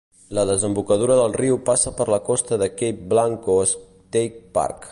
La desembocadura del riu passa per la costa del Cape Blanco State Park.